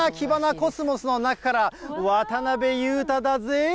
コスモスの中から、渡辺裕太だぜ。